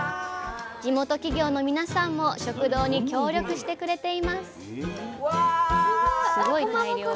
地元企業の皆さんも食堂に協力してくれています